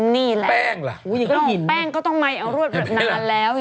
นี่แหละแป้งก็ต้องไม้เอารวดแบบนั้นแล้ว